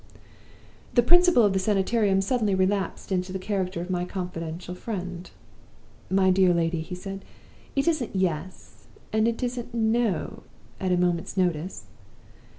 "The Principal of the Sanitarium suddenly relapsed into the character of my confidential friend. "'My dear lady,' he said, 'it isn't Yes, and it isn't No, at a moment's notice.